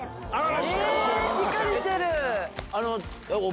しっかりしてる！